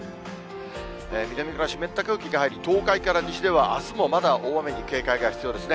南から湿った空気が入り、東海から西では、あすもまだ大雨に警戒が必要ですね。